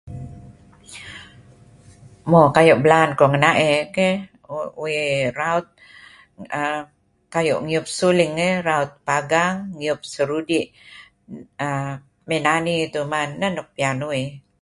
Mo kayu' belaan kuh ngi naey iih uih raut kayu' ngiup suling iih. Raut pPagang, ngiup Serudi' uhm may nani teh uih man. Nih nuk piyan uih